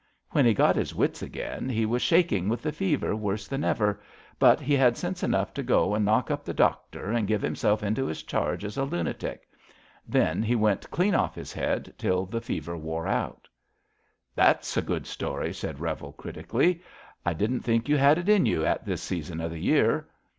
When» he got his wits again, he was shaking with the fever worse than ever, but he had sense enough to go and Iqiock up the doctor and give himself into his charge as a lunatic. Then he went clean off his head till the fever wore out." 116 ABAFT THE FUNNEL *' That^s a good story/ * said Bevel critically. I didn't think you had it in you at this season of the year.''